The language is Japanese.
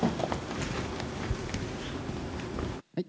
はい。